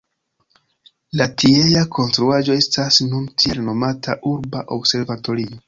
La tiea konstruaĵo estas nun tiel nomata Urba Observatorio.